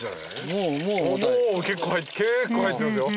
もう結構入ってますよ。